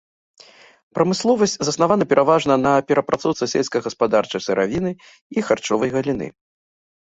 Прамысловасць заснавана пераважна на перапрацоўцы сельскагаспадарчай сыравіны і харчовай галіны.